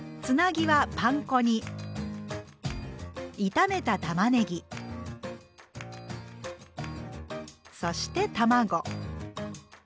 つなぎはパン粉に炒めたたまねぎそして卵。